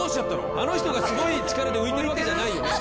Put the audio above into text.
あの人がすごい力で浮いてるわけじゃないよね？